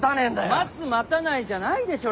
待つ待たないじゃないでしょ